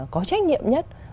có trách nhiệm nhất